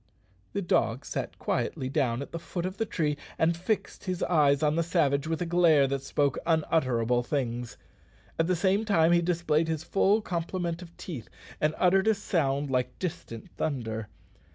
_" The dog sat quietly down at the foot of the tree, and fixed his eyes on the savage with a glare that spoke unutterable things. At the same time he displayed his full complement of teeth, and uttered a sound like distant thunder.